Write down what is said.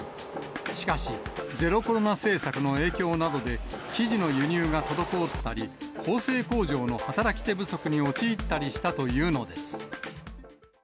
しかし、ゼロコロナ政策の影響などで、生地の輸入が滞ったり、縫製工場の働き手不足に陥ったりしたというのです。